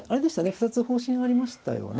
２つ方針ありましたよね。